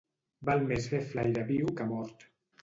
Val més fer flaire viu que mort.